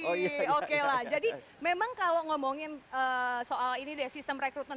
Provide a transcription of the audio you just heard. oke oke lah jadi memang kalau ngomongin soal ini deh sistem rekrutmen